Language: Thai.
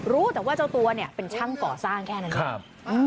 รู้แต่ว่าเจ้าตัวเป็นช่างป่อสร้างแค่นั้น